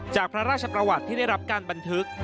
จากพระราชประวัติที่ได้รับการบันทึก